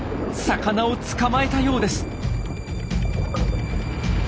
魚を捕まえたようです。